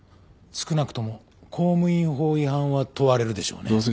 少なくとも公務員法違反は問われるでしょうね。